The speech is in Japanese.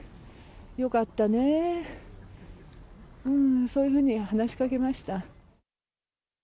よかったね、そういうふうに話しかけました。